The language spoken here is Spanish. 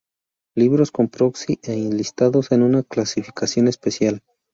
Libros con proxy y enlistados en una clasificación especial.